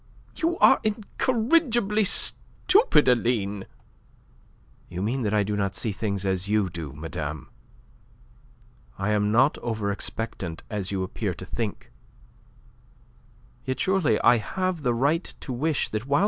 "You are incorrigibly stupid, Aline." "You mean that I do not see things as you do, madame. I am not over expectant as you appear to think; yet surely I have the right to expect that whilst M.